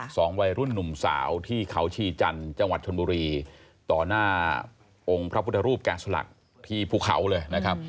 สองวัยรุ่นหนุ่มสาวที่เขาชีจันทร์จังหวัดชนบุรีต่อหน้าองค์พระพุทธรูปแก่สลักที่ภูเขาเลยนะครับ